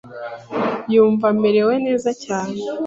Yumva amerewe neza cyane